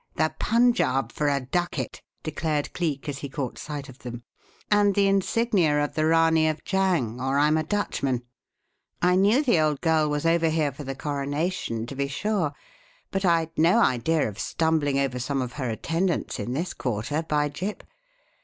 "The Punjab for a ducat!" declared Cleek as he caught sight of them. "And the insignia of the Ranee of Jhang, or I'm a Dutchman. I knew the old girl was over here for the coronation, to be sure, but I'd no idea of stumbling over some of her attendants in this quarter, by Jip!